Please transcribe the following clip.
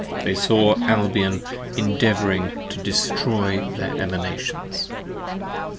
31 They saw Albion endeavouring to destroy their Emanations. p.